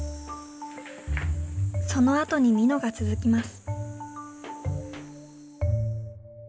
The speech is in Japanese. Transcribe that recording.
そのあとにみのが続きます。